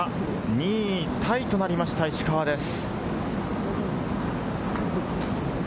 ２位タイとなりました、石川です。